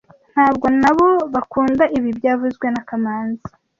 Ntabwo nabo bakunda ibi byavuzwe na kamanzi